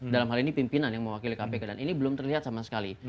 dalam hal ini pimpinan yang mewakili kpk dan ini belum terlihat sama sekali